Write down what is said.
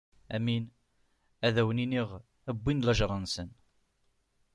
Amin, ad wen-iniɣ: Wwin lajeṛ-nsen.